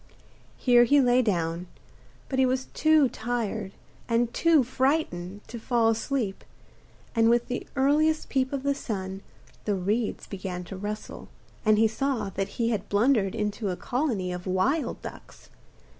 Here he lay down, but he was too tired and too frightened to fall asleep, and with the earliest peep of the sun the reeds began to rustle, and he saw that he had blundered into a colony of wild ducks.